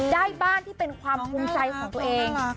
บ้านที่เป็นความภูมิใจของตัวเอง